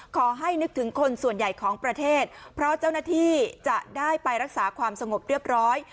ขอให้นึกถึงคนส่วนใหญ่ของประเทศเพราะเจ้าหน้าที่จะได้ไปรักษาความสงบเรียบร้อย